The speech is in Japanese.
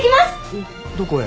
えっどこへ？